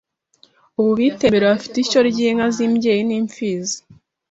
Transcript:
Ubu biteje imbere, bafite ishyo ry’inka z’imbyeyi n’imfizi